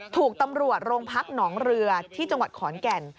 ถูกตำรวจโรงพักหนองเรือที่จังหวัดขอนแก่น